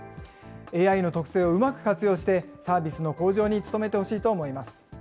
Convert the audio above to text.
ＡＩの特性をうまく活用して、サービスの向上に努めてほしいと思います。